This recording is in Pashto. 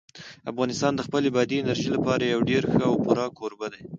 افغانستان د خپلې بادي انرژي لپاره یو ډېر ښه او پوره کوربه دی.